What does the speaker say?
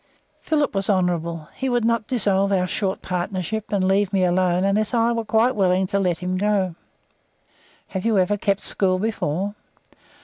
Philip was honourable; he would not dissolve our short partnership, and leave me alone unless I was quite willing to let him go. "Have you ever kept school before?"